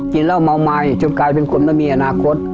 กินแล้วเมามายจนกลายเป็นคลมนมี่อนาคต